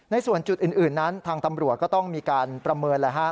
ส่วนจุดอื่นนั้นทางตำรวจก็ต้องมีการประเมินแล้วฮะ